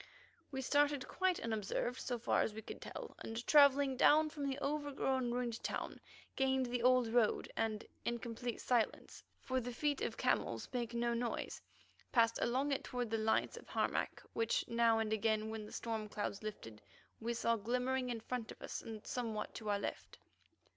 We started quite unobserved, so far as we could tell, and, travelling downward from the overgrown, ruined town, gained the old road, and in complete silence, for the feet of camels make no noise, passed along it toward the lights of Harmac, which now and again, when the storm clouds lifted, we saw glimmering in front of us and somewhat to our left.